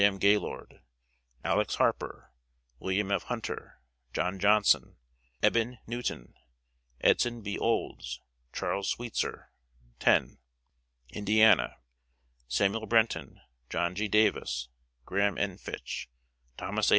M. Gaylord, Alex. Harper, Wm. F. Hunter, John Johnson, Eben Newton, Edson B. Olds, Charles Sweetzer 10. Indiana: Samuel Brenton, John G. Davis, Graham N. Fitch, Thomas A.